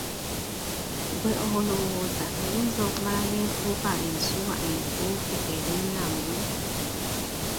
Ggwe olowooza eyinza okumala n'efuuka ensuuwa entuufu era ennamu?